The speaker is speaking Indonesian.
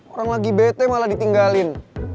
orang lagi bete malah ditinggalin